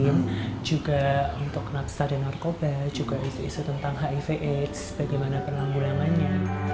kemudian juga untuk naksa dan narkoba juga isu isu tentang hiv aids bagaimana penanggulangannya